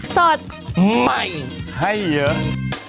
สวัสดีครับ